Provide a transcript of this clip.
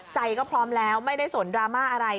ใจก็พร้อมแล้วไม่ได้สนดราม่าอะไร